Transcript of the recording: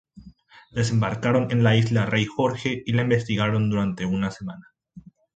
Desembarcaron en la isla Rey Jorge y la investigaron durante una semana.